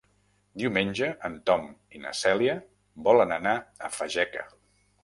Diumenge en Tom i na Cèlia volen anar a Fageca.